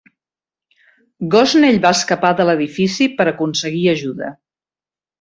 Gosnell va escapar de l'edifici per aconseguir ajuda.